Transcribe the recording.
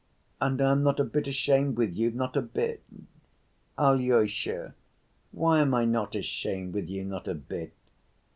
And I am not a bit ashamed with you, not a bit. Alyosha, why am I not ashamed with you, not a bit?